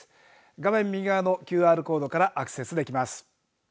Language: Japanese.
画面右側のＱＲコードからアクセスできます。